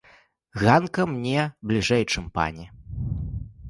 Ганка мне бліжэй, чым пані.